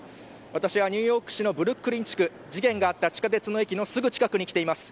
私はニューヨーク市のブルックリン地区事件があった地下鉄の駅のすぐ近くに来ています。